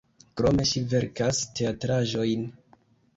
Krome ŝi verkas teatraĵojn.